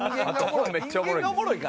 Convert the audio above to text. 本めっちゃおもろい。